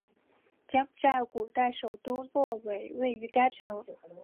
柬埔寨古代首都洛韦位于该城。